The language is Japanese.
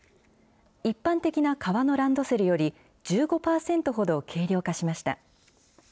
一般的な革のランドセルより、１５％ほど軽量化しました。